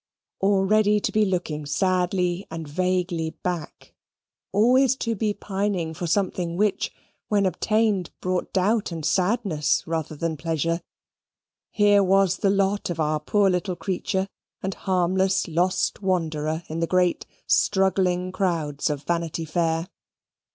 Already to be looking sadly and vaguely back: always to be pining for something which, when obtained, brought doubt and sadness rather than pleasure; here was the lot of our poor little creature and harmless lost wanderer in the great struggling crowds of Vanity Fair.